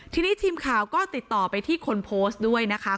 ทีนี้ทีมข่าวก็ติดต่อไปที่คนโพสต์ด้วยนะคะ